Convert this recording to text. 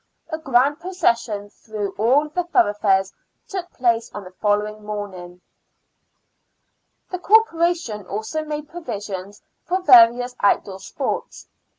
A grand procession through all the thoroughfares took place on the following morning. The Corporation also made provision for various out door sports.